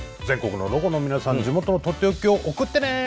全国のロコの皆さん地元のとっておきを送ってね！